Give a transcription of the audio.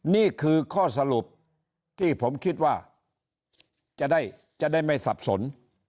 นี่คือข้อสรุปที่ผมคิดว่าจะได้ไม่สับสน